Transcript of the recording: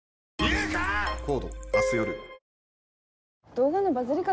動画のバズり方？